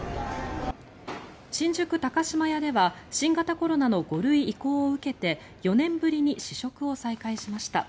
新宿高島屋では新型コロナの５類移行を受けて４年ぶりに試食を再開しました。